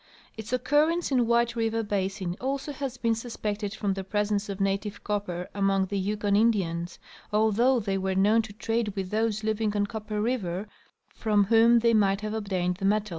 Its occurrence in White River basin also has been suspected from the presence of native copper among the Yukon Indians, although they were known to trade with those living on Copper river from whom they might have obtained the metal.